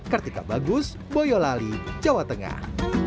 kartika bagus boyolali jawa tengah